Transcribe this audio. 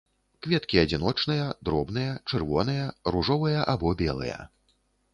Кветкі адзіночныя, дробныя, чырвоныя, ружовыя або белыя.